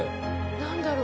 何だろう？